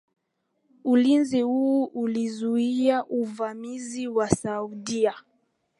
Ulinzi huu ulizuia uvamizi wa Saudia